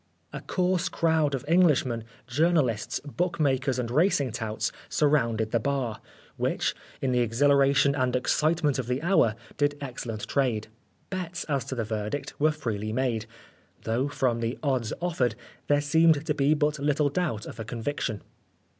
A coarse crowd of Englishmen, journalists, bookmakers and racing touts surrounded the bar, which, in the exhilaration and excitement of the hour, did excellent trade. Bets as to the verdict were freely made, though, from the odds offered, there seemed to be but little doubt of a conviction.